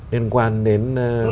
liên quan đến